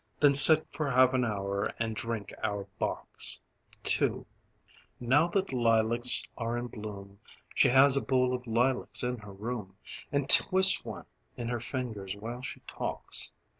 Then sit for half an hour and drink our bocks. II Now that lilacs are in bloom She has a bowl of lilacs in her room And twists one in her fingers while she talks.